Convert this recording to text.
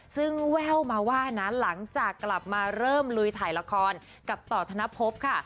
ซึ่งแว่วมาว่านะหลังจากกลับมาเริ่มลุยถ่ายละครกับต่อธนภพค่ะ